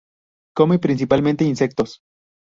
Come principalmente insectos.